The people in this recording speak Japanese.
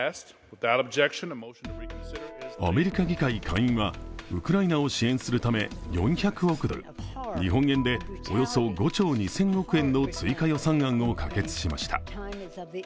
アメリカ議会下院はウクライナを支援するため４００億ドル、日本円でおよそ５兆２０００億円の追加予算案を可決しました。